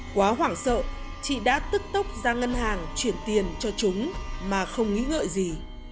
quá hoảng sợ chị đã tức tốc ra ngân hàng chuyển tiền cho chúng mà không nghĩ gợi gì